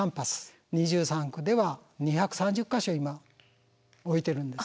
２３区では２３０か所今置いてるんです。